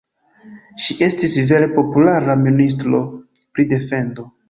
Ŝi estis vere populara ministro pri defendo.